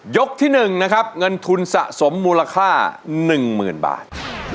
ที่๑นะครับเงินทุนสะสมมูลค่า๑๐๐๐บาท